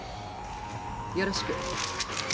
よろしく。